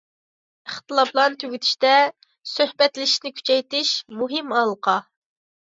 ئىختىلاپلارنى تۈگىتىشتە سۆھبەتلىشىشنى كۈچەيتىش مۇھىم ھالقا.